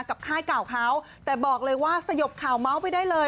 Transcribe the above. ค่ายเก่าเขาแต่บอกเลยว่าสยบข่าวเมาส์ไปได้เลย